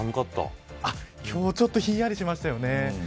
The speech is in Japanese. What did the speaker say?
今日はちょっとひんやりしましたよね。